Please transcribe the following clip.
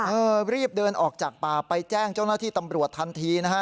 เออรีบเดินออกจากป่าไปแจ้งเจ้าหน้าที่ตำรวจทันทีนะฮะ